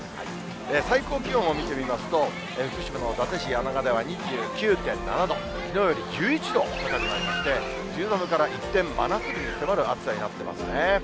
最高気温を見てみますと、福島の伊達市梁川では２９．７度、きのうより１１度高くなりまして、梅雨寒から一転、真夏日に迫る暑さになってますね。